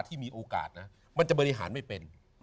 ที่มีโอกาสนะมันจะบริหารไม่เป็น